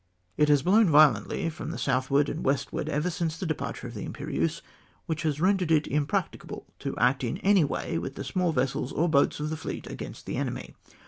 It has blown violently from the southward and westward ever since the departure of the Imperieuse, which has rendered it ir)%practicable to act in any way with the small vessels or boats of the fleet against the enemy.